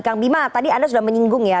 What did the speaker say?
kang bima tadi anda sudah menyinggung ya